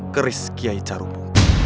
keris kiai carumu